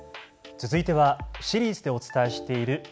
続いてはシリーズでお伝えしている＃